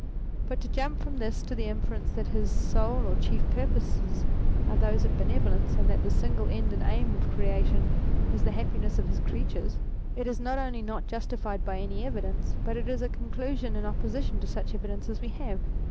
But to jump from this to the inference that his sole or chief purposes are those of benevolence, and that the single end and aim of Creation was the happiness of his creatures, is not only not justified by any evidence but is a conclusion in opposition to such evidence as we have.